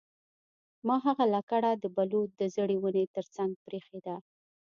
ما هغه لکړه د بلوط د زړې ونې ترڅنګ پریښې ده